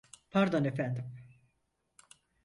Pardon efendim.